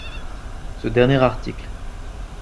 Ce dernier article.